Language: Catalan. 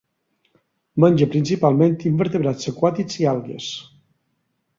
Menja principalment invertebrats aquàtics i algues.